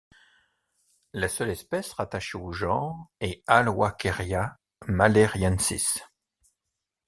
La seule espèce rattachée au genre est Alwalkeria maleriensis.